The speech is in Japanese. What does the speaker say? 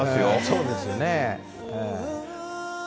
そうですよね。